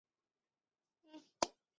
蒙特卡布里耶人口变化图示